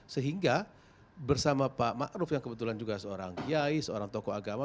sehingga bersama pak ma'ruf yang kebetulan juga seorang kiai seorang tokoh agama